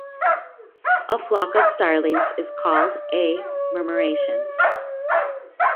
A flock of starlings is called a murmuration.